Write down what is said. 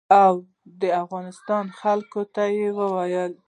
او د افغانستان خلکو ته وايي.